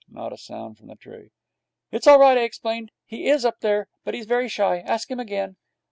Not a sound from the tree. 'It's all right,' I explained, 'he is up there, but he's very shy. Ask him again.'